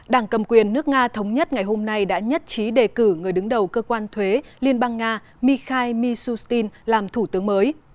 đảng cầm quyền nước nga thống nhất ngày hôm nay đã nhất trí đề cử người đứng đầu cơ quan thuế liên bang nga mikhail mishustin làm thủ tướng mới